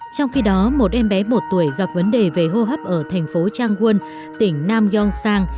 trong khi đó một em bé một tuổi gặp vấn đề về hô hấp ở thành phố changwon tỉnh nam yongsang